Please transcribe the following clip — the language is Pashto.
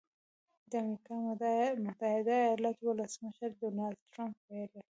د امریکا متحده ایالتونو ولسمشر ډونالډ ټرمپ ویلي